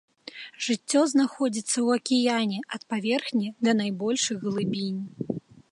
Жыццё знаходзіцца ў акіяне ад паверхні да найбольшых глыбінь.